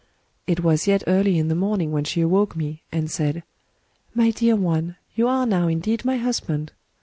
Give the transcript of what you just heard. "It was yet early in the morning when she awoke me, and said :' My dear one, you are now indeed my husband.